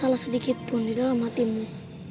ada salah sedikitpun di dalam hatimu